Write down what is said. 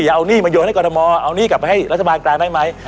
อย่าเอานี่มาโยนให้กรมธมเอานี่กลับไปให้รัฐบาลกลายได้ไหม